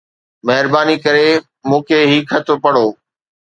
مهرباني ڪري مون کي هي خط پڙهو